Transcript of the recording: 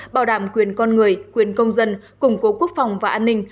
bảo đảm quyền con người quyền công dân củng cố quốc phòng và an ninh